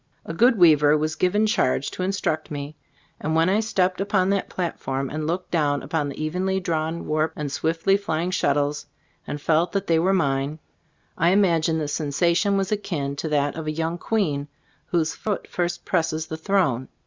A good weaver io 4 tTbe Storg Of Ay CbUfcboofc was given charge to instruct me, and when I stepped upon that platform and looked down upon the evenly drawn warp and the swiftly flying shuttles, and felt that they were mine, I imagine the sensation was akin to that of a young queen whose foot first presses the throne.